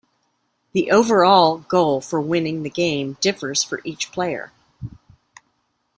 The overall goal for winning the game differs for each player.